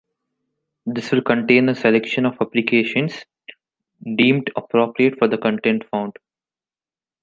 This will contain a selection of applications deemed appropriate for the content found.